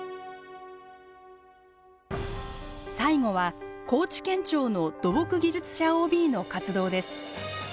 最後は高知県庁の土木技術者ＯＢの活動です。